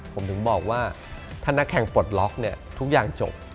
ผมถึงบอกว่าถ้านักแข่งปลดล็อกเนี่ยทุกอย่างจบ